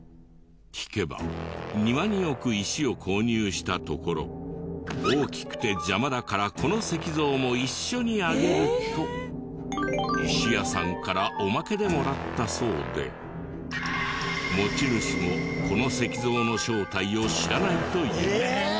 聞けば庭に置く石を購入したところ「大きくて邪魔だからこの石像も一緒にあげる」と石屋さんからおまけでもらったそうで持ち主もこの石像の正体を知らないという。